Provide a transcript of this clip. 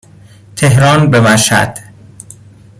تهران به مشهد